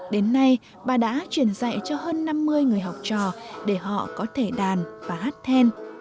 đến nay bà đã truyền dạy cho hơn năm mươi người học trò để họ có thể đàn và hát then